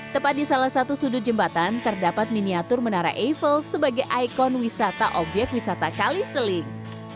tepat di salah satu sudut jembatan terdapat miniatur menara eiffle sebagai ikon wisata obyek wisata kali seling